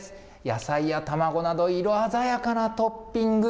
野菜や卵など、色鮮やかなトッピング。